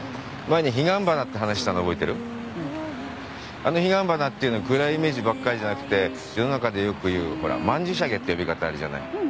あの彼岸花っていうのは暗いイメージばっかりじゃなくて世の中でよく言うほら曼珠沙華っていう呼び方あるじゃない。